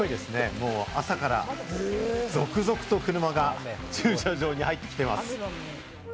もう朝から続々と車が駐車場に入ってきています。